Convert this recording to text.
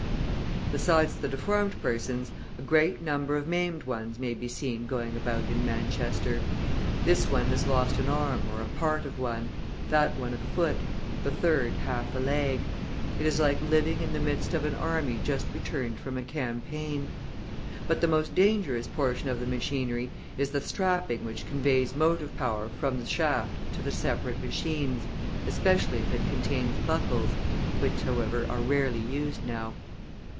Besides the deformed persons, a great number of maimed ones may be seen going about in Manchester; this one has lost an arm or a part of one, that one a foot, the third half a leg; it is like living in the midst of an army just returned from a campaign. But the most dangerous portion of the machinery is the strapping which conveys motive power from the shaft to the separate machines, especially if it contains buckles, which, however, are rarely used now.